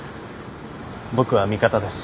僕は味方です。